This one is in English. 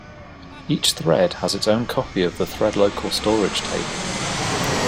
Each thread has its own copy of the thread-local storage table.